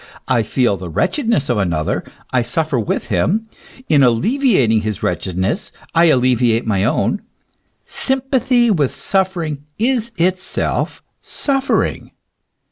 I feel the wretchedness of another, I suffer with him ; in alleviating his wretchedness I alleviate my own ; sympathy with suffering is itself suffering.